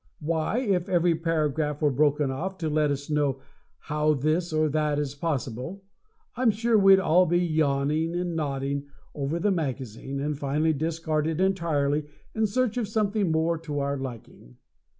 Why, if every paragraph were broken off to let us know how this or that is possible, I'm sure we'd all be yawning and nodding over the magazine, and finally discard it entirely in search of something more to our liking!